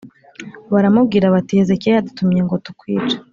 Baramubwira bati Hezekiya yadutumye ngo tukwice